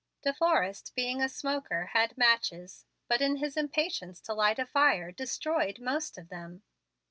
De Forrest, being a smoker, had matches; but, in his impatience to light a fire, destroyed most of them.